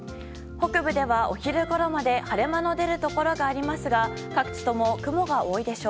北部では、お昼ごろまで晴れ間の出るところがありますが各地とも、雲が多いでしょう。